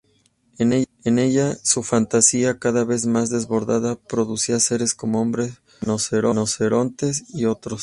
En ella su fantasía, cada vez más desbordada, producía seres como hombres-rinoceronte y otros.